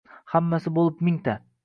Hammasi bo`lib mingta